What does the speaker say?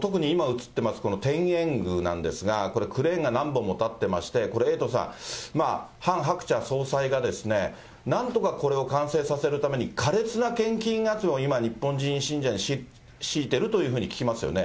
特に今、映っています、この天苑宮なんですけれども、これ、クレーンが何本も立ってまして、これ、エイトさん、ハン・ハクチャ総裁が、なんとかこれを完成させるために、かれつな献金集めを、今、日本人信者に強いてるというふうに聞きますよね。